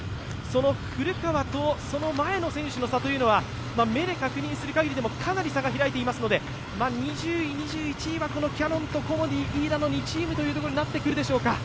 古川とその前の選手の差というのは目で確認する限りでもかなり差が開いていますので２０位、２１位はキヤノンとコモディイイダの２チームとなってくるでしょうか。